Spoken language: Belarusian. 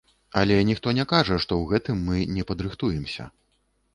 Але ніхто не кажа, што ў гэтым мы не падрыхтуемся.